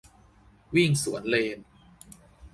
- วิ่งสวนเลน